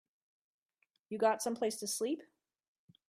You got someplace to sleep?